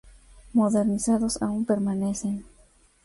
Modernizados, aún permanecen.